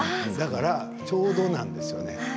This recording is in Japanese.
だからちょうどなんですよ